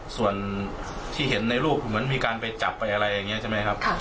ส่วนที่เห็นในรูปเหมือนมีการไปจับไปอะไรอย่างนี้ใช่ไหมครับ